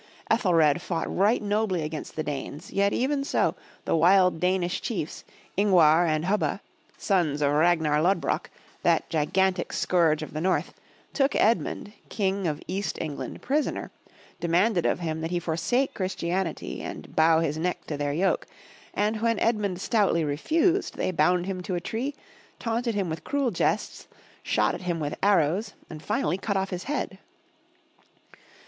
Ethel red fought right nobly against the Danes, yet even so, the wild Danish chiefs, Ing'war and Hub'ba, sons of Rag'nar Lod'brok, that gigantic scourge of the North, took Edmund, King of East Eng land, prisoner, demanded of him that he forsake Christianity and bow his neck to their yoke, and when Edmund stoutly refused, they bound him to a tree, taunted him with cruel jests, shot at him with arrows, and finally cut off his head.